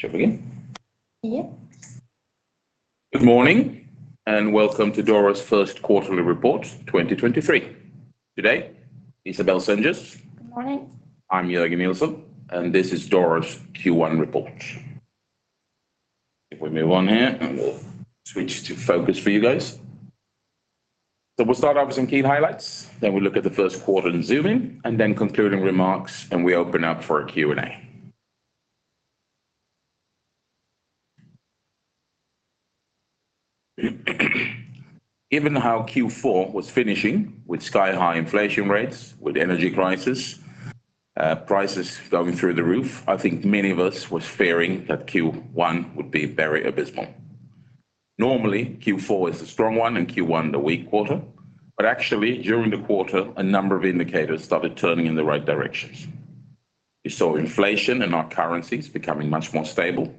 Shall we begin? Yeah. Good morning, and welcome to Doro's first quarterly report, 2023. Today, Isabelle Sengès. Good morning. I'm Jørgen Nilsson. This is Doro's Q1 report. If we move on here, we'll switch to focus for you guys. We'll start off with some key highlights, then we'll look at the first quarter and zoom in, and then concluding remarks, and we open up for a Q&A. Given how Q4 was finishing, with sky-high inflation rates, with energy crisis, prices going through the roof, I think many of us was fearing that Q1 would be very abysmal. Normally, Q4 is a strong one and Q1 the weak quarter. Actually, during the quarter, a number of indicators started turning in the right directions. We saw inflation in our currencies becoming much more stable.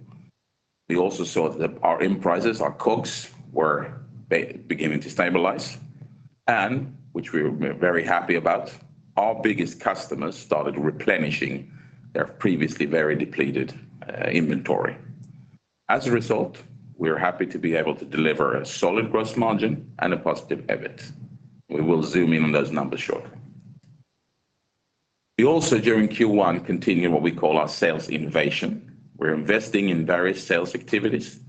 We also saw that our input prices, our COGS, were beginning to stabilize, and which we're very happy about, our biggest customers started replenishing their previously very depleted inventory. We're happy to be able to deliver a solid gross margin and a positive EBIT. We will zoom in on those numbers shortly. We also, during Q1, continued what we call our sales innovation. We're investing in various sales activities.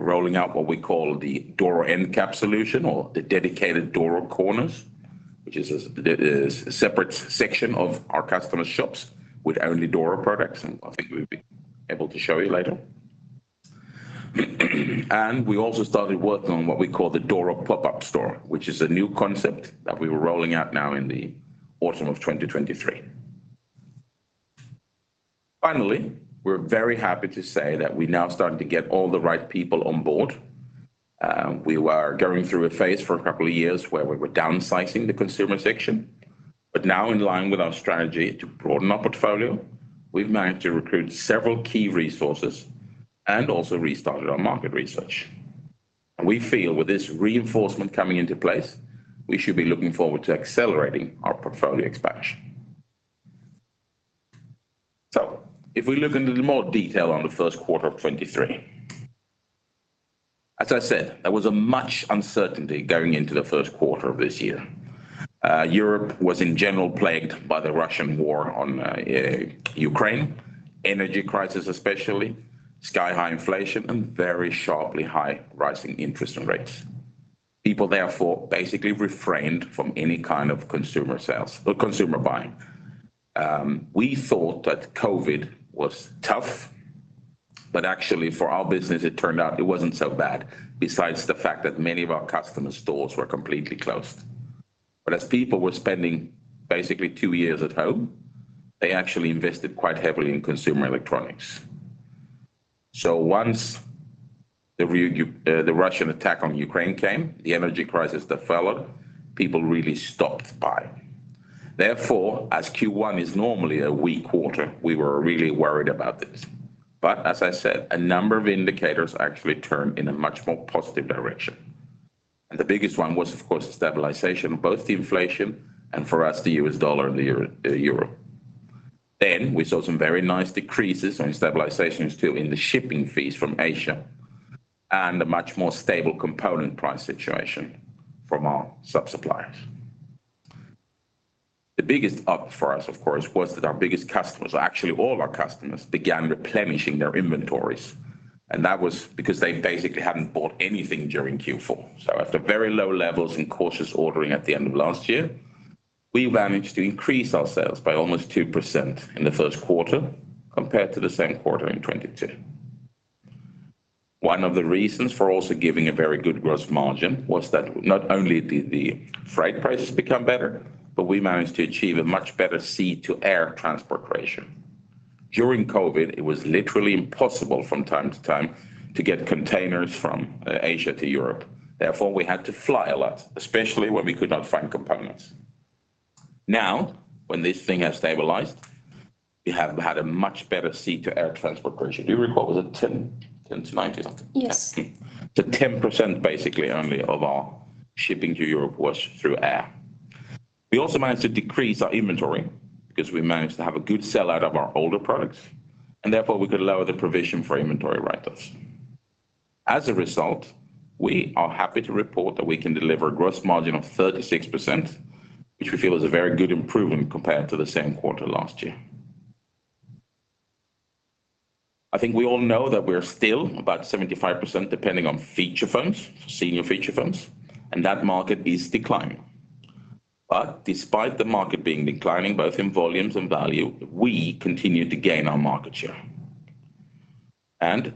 We're rolling out what we call the Doro end cap solution or the dedicated Doro corners, which is a separate section of our customers' shops with only Doro products. I think we'll be able to show you later. We also started working on what we call the Doro pop-up store, which is a new concept that we are rolling out now in the autumn of 2023. Finally, we're very happy to say that we're now starting to get all the right people on board. We were going through a phase for a couple of years where we were downsizing the consumer section. In line with our strategy to broaden our portfolio, we've managed to recruit several key resources and also restarted our market research. We feel with this reinforcement coming into place, we should be looking forward to accelerating our portfolio expansion. We look into the more detail on the first quarter of 2023. As I said, there was a much uncertainty going into the first quarter of this year. Europe was in general plagued by the Russian war on Ukraine, energy crisis especially, sky-high inflation, and very sharply high rising interest rates. People therefore basically refrained from any kind of consumer sales or consumer buying. We thought that COVID was tough, actually for our business, it turned out it wasn't so bad, besides the fact that many of our customers' stores were completely closed. As people were spending basically two years at home, they actually invested quite heavily in consumer electronics. Once the Russian attack on Ukraine came, the energy crisis that followed, people really stopped buying. As Q1 is normally a weak quarter, we were really worried about this. As I said, a number of indicators actually turned in a much more positive direction. The biggest one was, of course, the stabilization of both the inflation and for us, the US dollar and the Euro. We saw some very nice decreases and stabilizations too in the shipping fees from Asia and a much more stable component price situation from our sub-suppliers. The biggest up for us, of course, was that our biggest customers, or actually all our customers, began replenishing their inventories. That was because they basically hadn't bought anything during Q4. After very low levels and cautious ordering at the end of last year, we managed to increase our sales by almost 2% in the first quarter compared to the same quarter in 2022. One of the reasons for also giving a very good gross margin was that not only did the freight prices become better, but we managed to achieve a much better sea to air transport ratio. During COVID, it was literally impossible from time to time to get containers from Asia to Europe. Therefore, we had to fly a lot, especially when we could not find components. Now, when this thing has stabilized, we have had a much better sea to air transport ratio. Do you recall, was it 10 to 90 something? Yes. Yeah. 10% basically only of our shipping to Europe was through air. We also managed to decrease our inventory because we managed to have a good sell-out of our older products, and therefore, we could lower the provision for inventory write-offs. As a result, we are happy to report that we can deliver a gross margin of 36%, which we feel is a very good improvement compared to the same quarter last year. I think we all know that we're still about 75% depending on feature phones, senior feature phones, and that market is declining. Despite the market being declining both in volumes and value, we continue to gain our market share.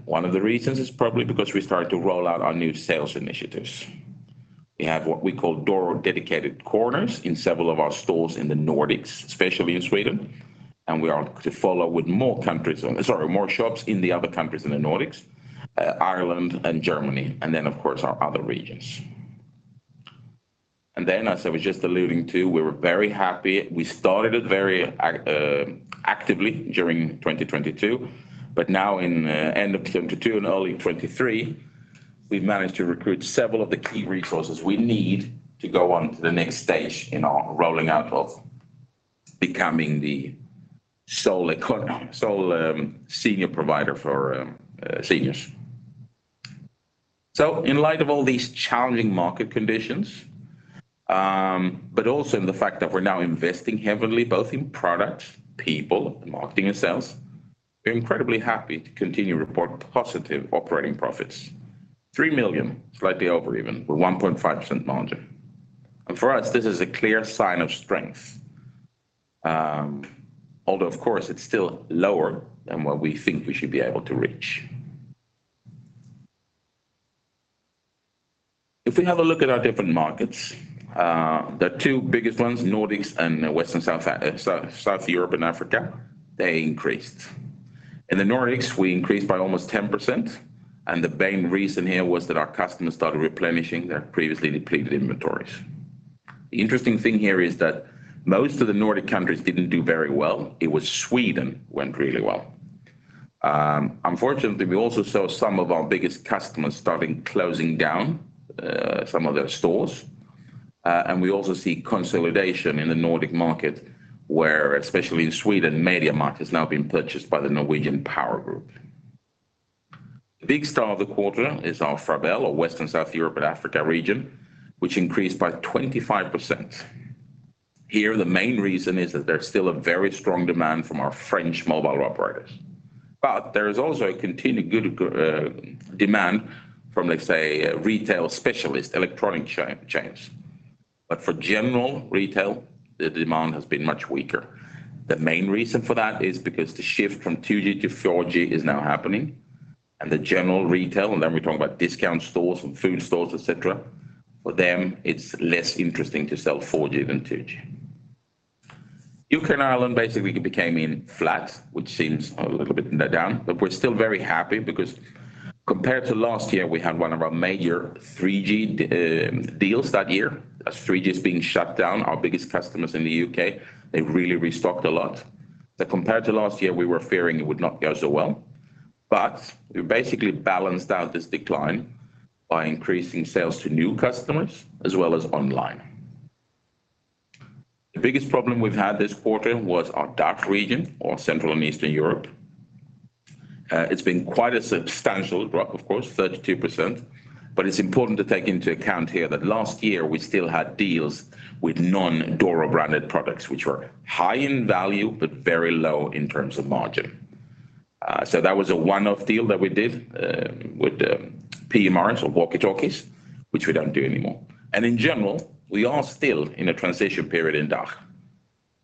One of the reasons is probably because we started to roll out our new sales initiatives. We have what we call Doro dedicated corners in several of our stores in the Nordics, especially in Sweden. We are to follow with more countries, sorry, more shops in the other countries in the Nordics, Ireland and Germany. Then of course our other regions. Then, as I was just alluding to, we were very happy. We started it very actively during 2022, but now in end of '22 and early '23. We've managed to recruit several of the key resources we need to go on to the next stage in our rolling out of becoming the sole, um, senior provider for seniors. In light of all these challenging market conditions, but also in the fact that we're now investing heavily both in product, people, marketing, and sales, we're incredibly happy to continue to report positive operating profits, 3 million, slightly over even, with 1.5% margin. For us, this is a clear sign of strength, although of course it's still lower than what we think we should be able to reach. If we have a look at our different markets, the two biggest ones, Nordics and West and South Europe and Africa, they increased. In the Nordics, we increased by almost 10%, and the main reason here was that our customers started replenishing their previously depleted inventories. The interesting thing here is that most of the Nordic countries didn't do very well. It was Sweden went really well. Unfortunately, we also saw some of our biggest customers starting closing down some of their stores. We also see consolidation in the Nordic market where, especially in Sweden, MediaMarkt has now been purchased by the Norwegian Power Group. The big star of the quarter is our FraBel or West and South Europe and Africa region, which increased by 25%. Here, the main reason is that there's still a very strong demand from our French mobile operators. There is also a continued good demand from, let's say, retail specialist electronic chains. For general retail, the demand has been much weaker. The main reason for that is because the shift from 2G to 4G is now happening, and the general retail, and then we're talking about discount stores and food stores, et cetera, for them, it's less interesting to sell 4G than 2G. UK and Ireland basically became in flat, which seems a little bit down, but we're still very happy because compared to last year, we had one of our major 3G deals that year. As 3G is being shut down, our biggest customers in the UK, they really restocked a lot. Compared to last year, we were fearing it would not go so well. We basically balanced out this decline by increasing sales to new customers as well as online. The biggest problem we've had this quarter was our DACH region or Central and Eastern Europe. It's been quite a substantial drop, of course, 32%, but it's important to take into account here that last year we still had deals with non-Doro branded products which were high in value, but very low in terms of margin. That was a one-off deal that we did with PMRs or walkie-talkies, which we don't do anymore. In general, we are still in a transition period in DACH,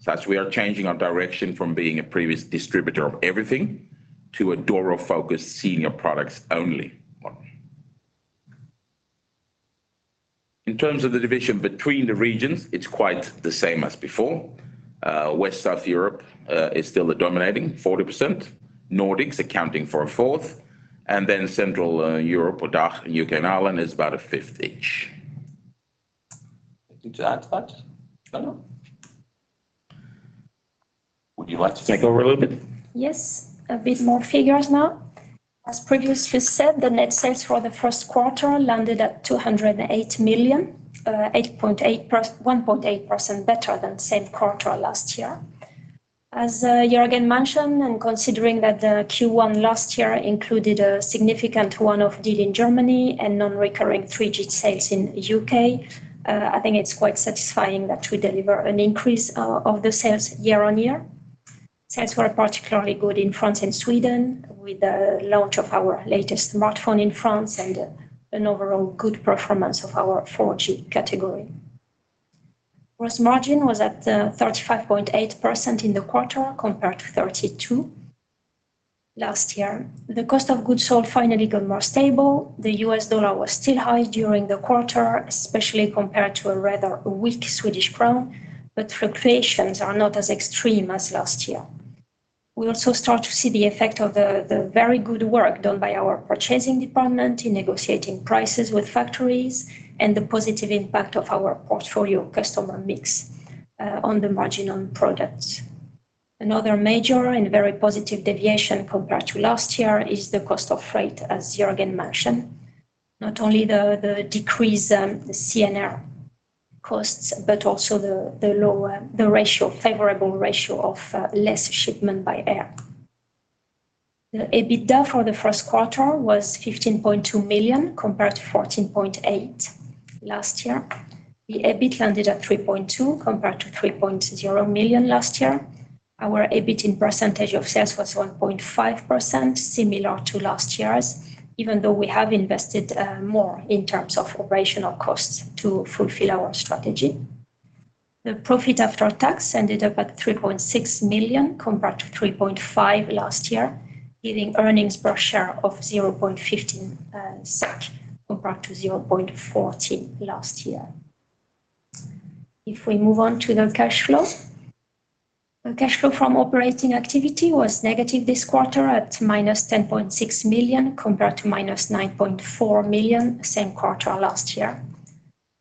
as we are changing our direction from being a previous distributor of everything to a Doro-focused senior products only model. In terms of the division between the regions, it's quite the same as before. West South Europe is still the dominating 40%, Nordics accounting for a fourth, and then Central Europe or DACH and UK and Ireland is about a fifth each. Anything to add to that, Anna? Would you like to take over a little bit? Yes. A bit more figures now. As previously said, the net sales for Q1 landed at 208 million, 1.8% better than the same quarter last year. As Jørgen mentioned, and considering that Q1 last year included a significant one-off deal in Germany and non-recurring 3G sales in UK, I think it's quite satisfying that we deliver an increase of the sales year on year. Sales were particularly good in France and Sweden with the launch of our latest smartphone in France and an overall good performance of our 4G category. Gross margin was at 35.8% in the quarter compared to 32% last year. The COGS finally got more stable. The US dollar was still high during the quarter, especially compared to a rather weak Swedish krona. Fluctuations are not as extreme as last year. We also start to see the effect of the very good work done by our purchasing department in negotiating prices with factories and the positive impact of our portfolio customer mix on the margin on products. Another major and very positive deviation compared to last year is the cost of freight, as Jørgen mentioned. Not only the decrease CNR costs, also the lower the ratio, favorable ratio of less shipment by air. The EBITDA for the first quarter was 15.2 million compared to 14.8 million last year. The EBIT landed at 3.2 million compared to 3.0 million last year. Our EBIT in percentage of sales was 1.5%, similar to last year's, even though we have invested more in terms of operational costs to fulfill our strategy. The profit after tax ended up at 3.6 million compared to 3.5 million last year, giving earnings per share of 0.15 SEK compared to 0.14 last year. If we move on to the cash flow. The cash flow from operating activity was negative this quarter at minus 10.6 million compared to minus 9.4 million same quarter last year.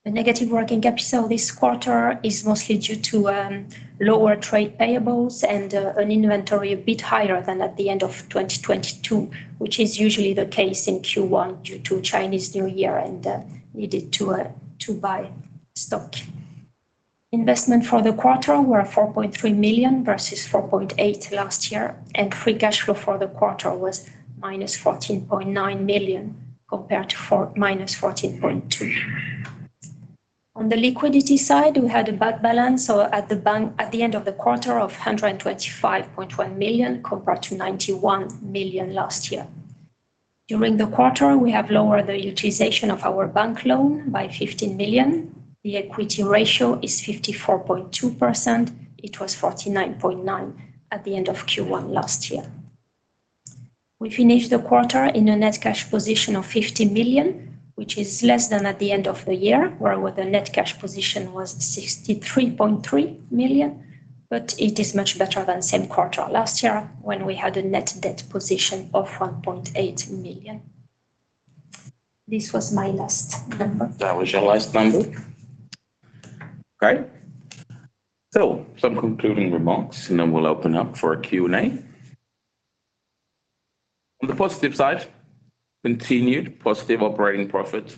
The negative working capital this quarter is mostly due to lower trade payables and an inventory a bit higher than at the end of 2022, which is usually the case in Q1 due to Chinese New Year and needed to buy stock. Investment for the quarter were 4.3 million versus 4.8 million last year, and free cash flow for the quarter was minus 14.9 million compared to minus 14.2 million. On the liquidity side, we had a bank balance, at the end of the quarter of 125.1 million compared to 91 million last year. During the quarter, we have lowered the utilization of our bank loan by 15 million. The equity ratio is 54.2%. It was 49.9% at the end of Q1 last year. We finished the quarter in a net cash position of 50 million, which is less than at the end of the year, where the net cash position was 63.3 million. It is much better than same quarter last year when we had a net debt position of 1.8 million. This was my last number. That was your last number. Great. Some concluding remarks, and then we'll open up for a Q&A. On the positive side, continued positive operating profit.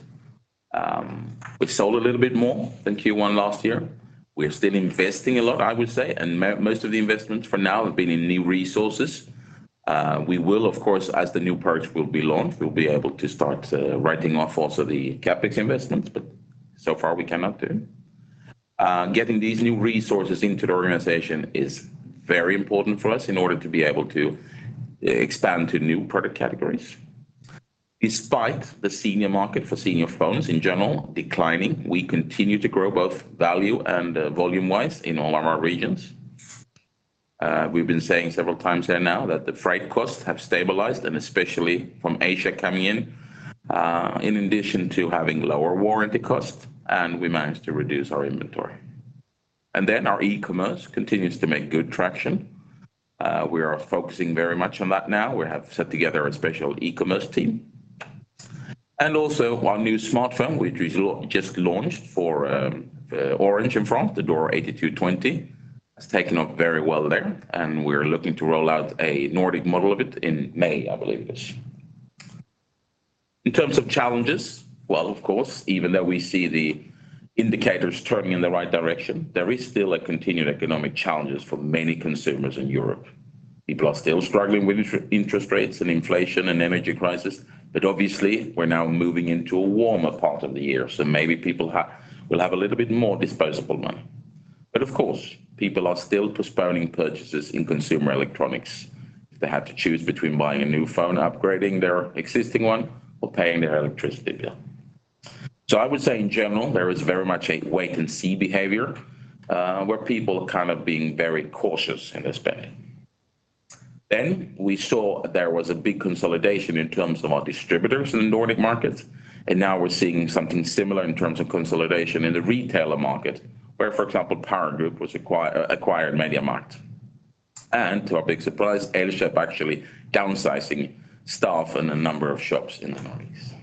We sold a little bit more than Q1 last year. We're still investing a lot, I would say, and most of the investments for now have been in new resources. We will of course, as the new products will be launched, we'll be able to start writing off also the CapEx investments, but so far we cannot do. Getting these new resources into the organization is very important for us in order to be able to expand to new product categories. Despite the senior market for senior phones in general declining, we continue to grow both value and volume-wise in all of our regions. We've been saying several times here now that the freight costs have stabilized, especially from Asia coming in addition to having lower warranty costs, and we managed to reduce our inventory. Our e-commerce continues to make good traction. We are focusing very much on that now. We have set together a special e-commerce team. Our new smartphone, which we just launched for Orange in France, the Doro 8220, has taken off very well there, and we're looking to roll out a Nordic model of it in May, I believe it is. In terms of challenges, well, of course, even though we see the indicators turning in the right direction, there is still a continued economic challenges for many consumers in Europe. People are still struggling with interest rates and inflation and energy crisis, but obviously we're now moving into a warmer part of the year, so maybe people will have a little bit more disposable money. Of course, people are still postponing purchases in consumer electronics. If they had to choose between buying a new phone, upgrading their existing one or paying their electricity bill. I would say in general, there is very much a wait and see behavior, where people are kind of being very cautious in their spending. We saw there was a big consolidation in terms of our distributors in the Nordic markets, and now we're seeing something similar in terms of consolidation in the retailer market where, for example, Power Group was acquired MediaMarkt. To our big surprise, Elgiganten actually downsizing staff in a number of shops in the Nordics.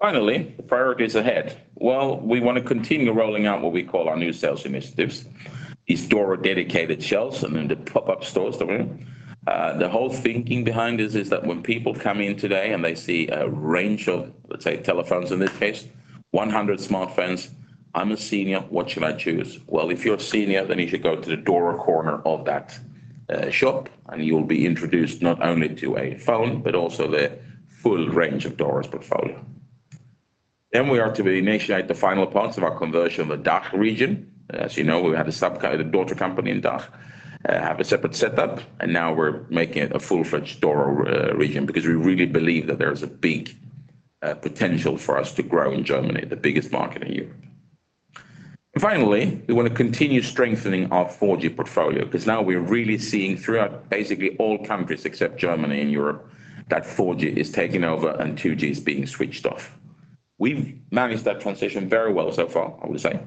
Finally, priorities ahead. Well, we wanna continue rolling out what we call our new sales initiatives, these Doro dedicated shelves and then the pop-up stores. The whole thinking behind this is that when people come in today and they see a range of, let's say, telephones in this case, 100 smartphones, I'm a senior, what should I choose? Well, if you're a senior, then you should go to the Doro corner of that shop and you'll be introduced not only to a phone, but also the full range of Doro's portfolio. We are to initiate the final parts of our conversion of the DACH region. As you know, we have a. A daughter company in DACH have a separate setup. Now we're making it a full-fledged Doro region because we really believe that there is a big potential for us to grow in Germany, the biggest market in Europe. Finally, we wanna continue strengthening our 4G portfolio, because now we're really seeing throughout basically all countries except Germany and Europe that 4G is taking over and 2G is being switched off. We've managed that transition very well so far, I would say.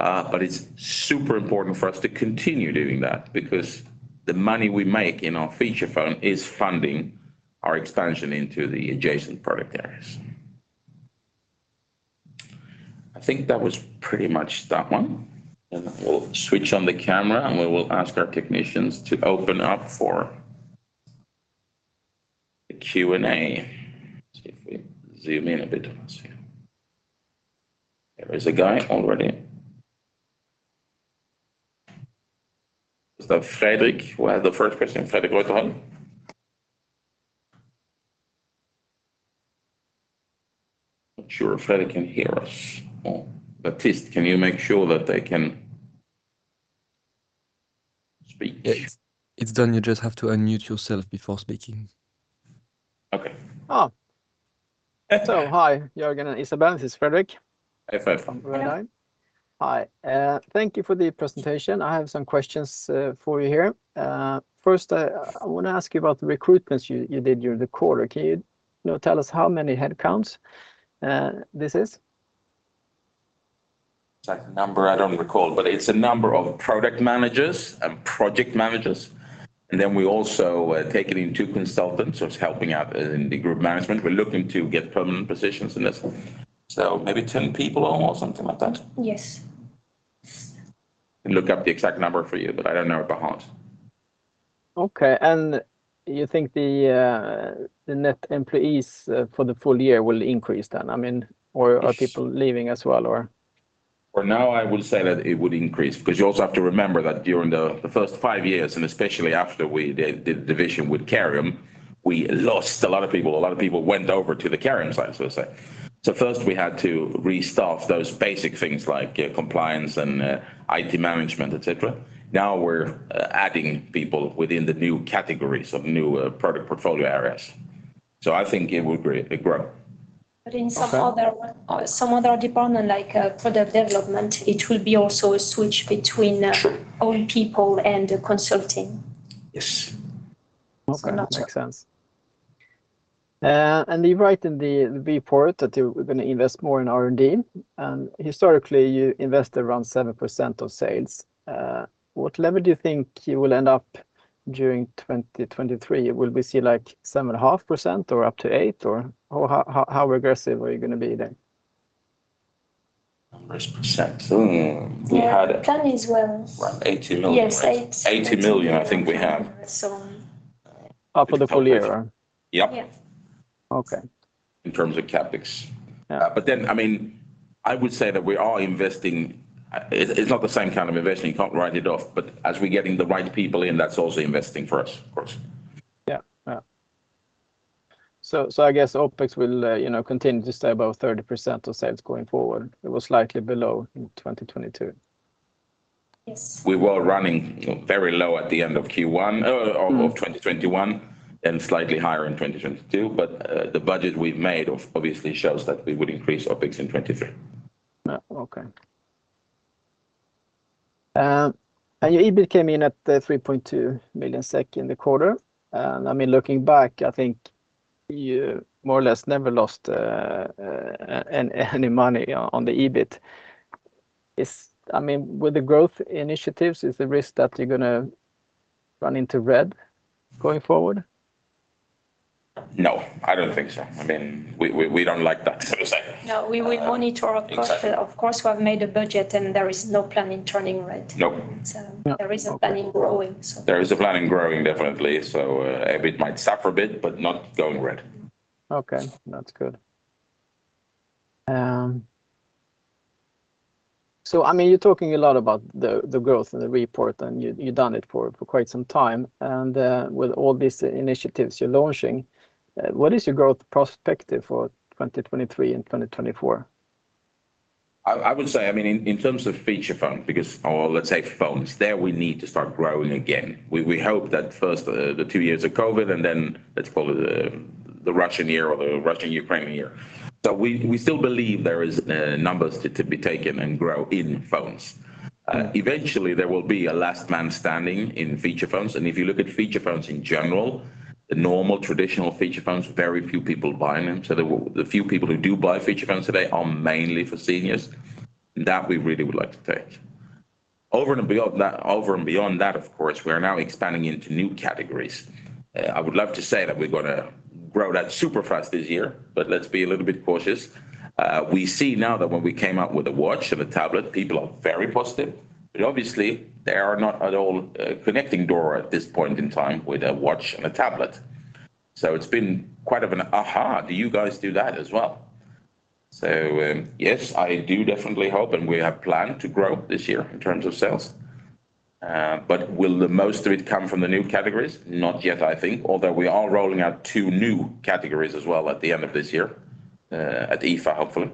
It's super important for us to continue doing that because the money we make in our feature phone is funding our expansion into the adjacent product areas. I think that was pretty much that one. We'll switch on the camera, and we will ask our technicians to open up for the Q&A. See if we zoom in a bit on this here. There is a guy already. Is that Fredrik who has the first question? Fredrik Røtheim. Not sure if Fredrik can hear us. Oh, Baptiste, can you make sure that they can speak? Yeah. It's done. You just have to unmute yourself before speaking. Okay. Oh. hi, Jorgen and Isabelle. This is Fredrik. Hi, Fredrik. Yeah. Hi. Thank you for the presentation. I have some questions for you here. First, I wanna ask you about the recruitments you did during the quarter. Can you know, tell us how many headcounts this is? Exact number I don't recall, but it's a number of product managers and project managers, and then we also are taking in two consultants who's helping out in the group management. We're looking to get permanent positions in this one. Maybe 10 people or something like that. Yes. Can look up the exact number for you, but I don't know it by heart. Okay. You think the net employees for the full year will increase then? I mean, or are people leaving as well or? For now I would say that it would increase, because you also have to remember that during the first 5 years, and especially after we did the division with Careium, we lost a lot of people. A lot of people went over to the Careium side, so to say. First we had to restaff those basic things like compliance and IT management, et cetera. Now we're adding people within the new categories of new product portfolio areas. I think it will grow. some other department like product development, it will be also a switch between- Sure... own people and consulting. Yes. That's it. Okay. Makes sense. You write in the report that you were gonna invest more in R&D, and historically you invest around 7% of sales. What level do you think you will end up during 2023? Will we see like 7.5% or up to 8% or how, how aggressive are you gonna be then? Numbers percentage. Yeah. Can as well. Around 80 million, right? Yes, eight. 80 million I think we have. So. Oh, for the full year, huh? Yep. Yeah. Okay. In terms of CapEx. Yeah. I mean, I would say that we are investing. It's not the same kind of investing, you can't write it off, but as we're getting the right people in, that's also investing for us, of course. Yeah. Yeah. I guess OpEx will, you know, continue to stay above 30% of sales going forward. It was slightly below in 2022. Yes. We were running very low at the end of Q1 of 2021 and slightly higher in 2022. The budget we've made obviously shows that we would increase OpEx in 2023. Okay. Your EBIT came in at 3.2 million SEK in the quarter. I mean, looking back, I think you more or less never lost any money on the EBIT. I mean, with the growth initiatives, is the risk that you're gonna run into red going forward? No, I don't think so. I mean, we don't like that, so to say. No, we will monitor of course. Exactly. Of course, we have made a budget and there is no plan in turning red. Nope. There is a plan in growing, so. There is a plan in growing, definitely. EBIT might suffer a bit, but not going red. Okay. That's good. I mean, you're talking a lot about the growth in the report and you've done it for quite some time. With all these initiatives you're launching, what is your growth perspective for 2023 and 2024? I would say, I mean, in terms of feature phone, or let's say phones, there we need to start growing again. We hope that first, the two years of COVID and then let's follow the Russian year or the Russian-Ukraine year. We still believe there is numbers to be taken and grow in phones. Eventually there will be a last man standing in feature phones, and if you look at feature phones in general, the normal traditional feature phones, very few people buying them. The few people who do buy feature phones today are mainly for seniors, and that we really would like to take. Over and beyond that, of course, we are now expanding into new categories. I would love to say that we're gonna grow that super fast this year, let's be a little bit cautious. We see now that when we came out with a watch and a tablet, people are very positive. Obviously they are not at all connecting Doro at this point in time with a watch and a tablet. It's been quite of an aha, do you guys do that as well? Yes, I do definitely hope, and we have planned to grow this year in terms of sales. Will the most of it come from the new categories? Not yet, I think. Although we are rolling out two new categories as well at the end of this year at IFA hopefully.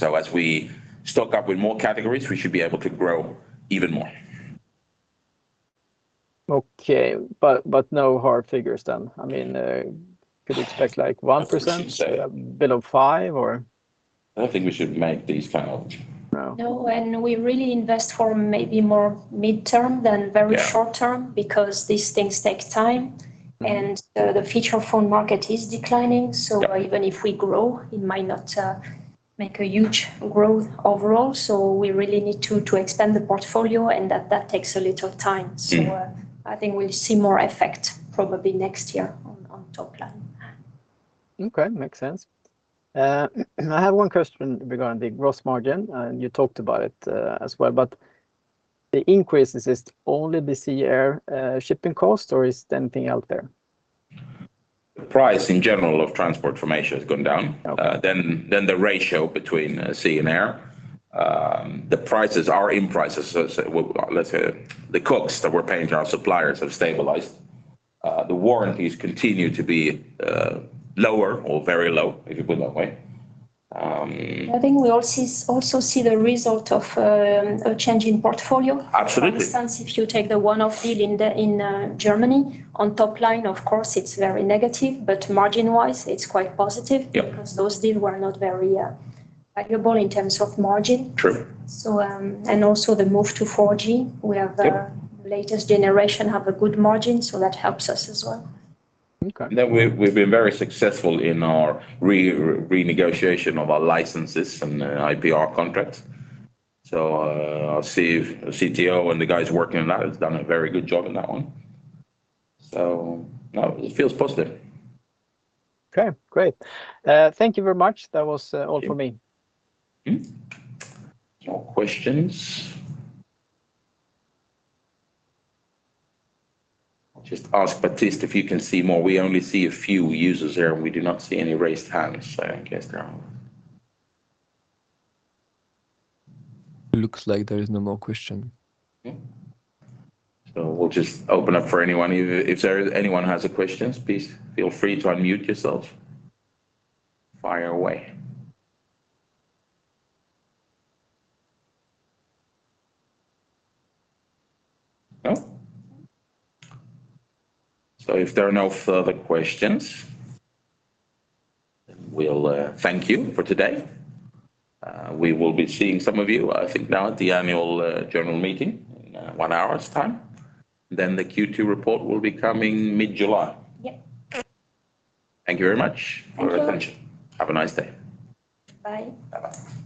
As we stock up with more categories, we should be able to grow even more. Okay. No hard figures then. I mean, could expect like 1%? I wouldn't say. Bit of five or? I don't think we should make these kind of- No. No. We really invest for maybe more midterm than very short term. Yeah because these things take time, and, the feature phone market is declining. Yeah. Even if we grow, it might not make a huge growth overall. We really need to expand the portfolio and that takes a little time. Mm-hmm. I think we'll see more effect probably next year on top line. Okay. Makes sense. I have one question regarding gross margin, and you talked about it, as well. The increase, is it only the sea air shipping cost, or is there anything else there? The price in general of transport from Asia has gone down. Okay. The ratio between sea and air. The prices are in prices, let's say the costs that we're paying to our suppliers have stabilized. The warranties continue to be lower or very low, if you put it that way. I think we also see the result of a change in portfolio. Absolutely. For instance, if you take the one-off deal in Germany, on top line, of course, it's very negative, but margin-wise, it's quite positive. Yep because those deal were not very, valuable in terms of margin. True. Also the move to 4G. Yep. We have the latest generation have a good margin, so that helps us as well. Okay. We've been very successful in our renegotiation of our licenses and IPR contracts. Our CEO, CTO and the guys working on that has done a very good job on that one. No, it feels positive. Okay, great. Thank you very much. That was all for me. Mm-hmm. More questions? I'll just ask Baptiste if you can see more. We only see a few users here and we do not see any raised hands, so I guess there are none. Looks like there is no more question. Okay. We'll just open up for anyone. If anyone has a questions, please feel free to unmute yourself. Fire away. No? If there are no further questions, we'll thank you for today. We will be seeing some of you, I think now at the annual general meeting in one hour's time. The Q2 report will be coming mid-July. Yep. Thank you very much. Thank you. for your attention. Have a nice day. Bye. Bye-bye.